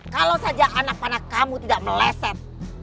kalau saja anak anak kamu tidak meleset